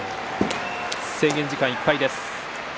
制限時間いっぱいです。